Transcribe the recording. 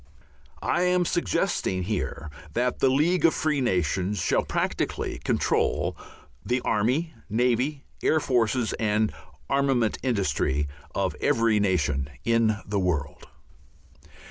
I am suggesting here that the League of Free Nations shall practically control the army, navy, air forces, and armament industry of every nation in the world.